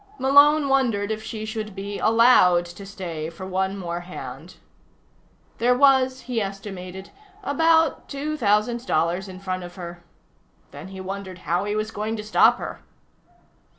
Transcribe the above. Malone wondered if she should be allowed to stay for one more hand. There was, he estimated, about two thousand dollars in front of her. Then he wondered how he was going to stop her.